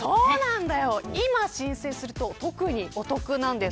今、申請すると特にお得なんです。